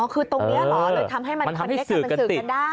อ๋อคือตรงนี้เหรอหรือทำให้มันคันเก็บกันสื่อกันติด